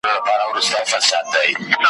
او پسه یې له آزاره وي ژغورلی ,